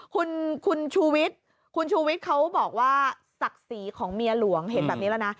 คุณชูวิทย์คุณชูวิทย์เขาบอกว่าศักดิ์ศรีของเมียหลวงเห็นแบบนี้แล้วนะ